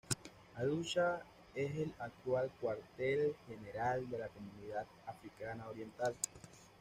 Arusha es el actual cuartel general de la Comunidad Africana Oriental.